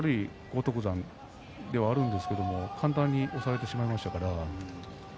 荒篤山ではあるんですが簡単に押されてしまいました。